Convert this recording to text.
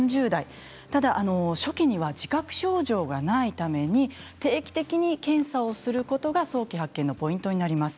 ただ初期には自覚症状がないために定期的に検査をすることが早期発見のポイントになります。